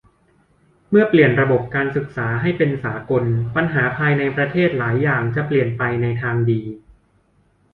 เมื่อเปลี่ยนระบบการศึกษาให้เป็นสากลปัญหาภายในประเทศหลายอย่างจะเปลี่ยนไปในทางดี